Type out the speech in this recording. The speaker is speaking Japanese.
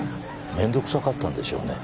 面倒くさかったんでしょうね。